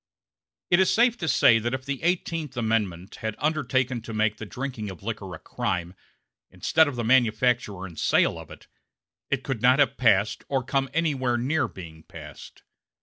It is safe to say that if the Eighteenth Amendment had undertaken to make the drinking of liquor a crime, instead of the manufacture and sale of it, it could not have been passed or come anywhere near being passed.